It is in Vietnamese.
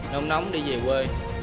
nóng nóng đi về quê